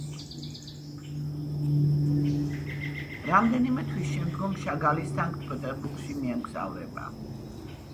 რამდენიმე თვის შემდგომ შაგალი სანქტ-პეტერბურგში მიემგზავრება.